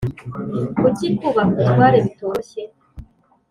kuki kubaha ubutware bitoroshye